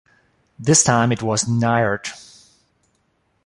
This time it was Niort.